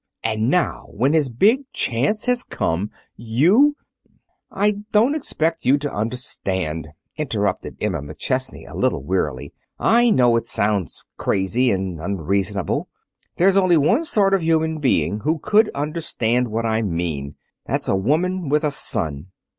And now, when his big chance has come, you " "I don't expect you to understand," interrupted Emma McChesney a little wearily. "I know it sounds crazy and unreasonable. There's only one sort of human being who could understand what I mean. That's a woman with a son."